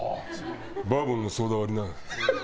バーボンのソーダ割りな。